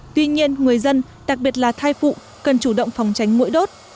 tuy nhiên người dân đặc biệt là thai phụ cần chủ động phòng tránh mũi đốt